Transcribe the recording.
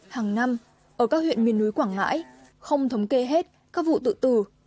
hàng năm ở các huyện miền núi quảng ngãi không thống kê hết các vụ tự tử